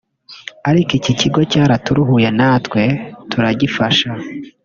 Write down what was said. ariko iki kigo cyaraturuhuye natwe turagifasha